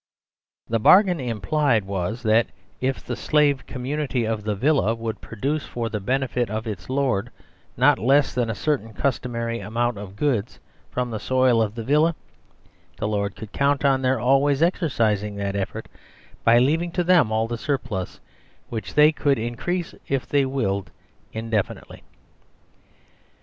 The bargain implied was, that if the Slave Community of the Villa would produce for the benefit of its Lord not less than a certain cus tomary amount of goods from the soil of the Villa, the Lord could count on their always exercising that effort by leaving to them all the surplus, which they could increase, if they willed, indefinitely.